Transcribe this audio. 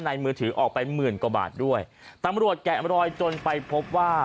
มือถือออกไปหมื่นกว่าบาทด้วยตำรวจแกะมรอยจนไปพบว่า